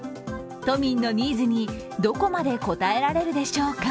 都民のニーズにどこまで応えられるでしょうか。